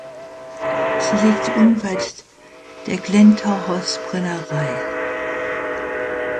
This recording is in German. Sie liegt unweit der Glentauchers-Brennerei.